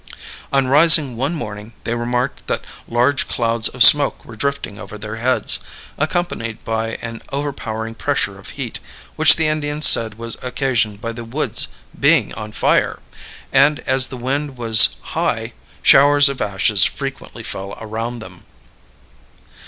On rising one morning they remarked that large clouds of smoke were drifting over their heads, accompanied by an overpowering pressure of heat, which the Indians said was occasioned by the woods being on fire; and as the wind was high, showers of ashes frequently fell around them.